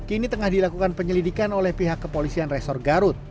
kini tengah dilakukan penyelidikan oleh pihak kepolisian resor garut